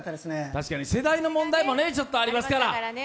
確かに世代の問題もありますから。